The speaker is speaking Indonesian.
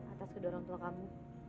atas kedua orang tua kami